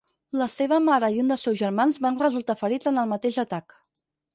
La seva mare i un dels seus germans van resultar ferits en el mateix atac.